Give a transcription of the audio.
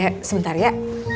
eh sebentar ya